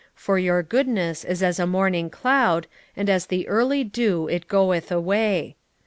for your goodness is as a morning cloud, and as the early dew it goeth away.